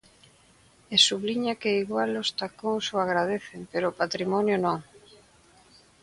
E subliña que igual os tacóns o agradecen, pero o patrimonio non.